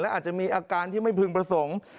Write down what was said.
อาจจะมีอาการที่ไม่พึงประสงค์